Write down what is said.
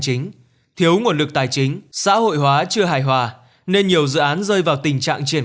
chính thiếu nguồn lực tài chính xã hội hóa chưa hài hòa nên nhiều dự án rơi vào tình trạng triển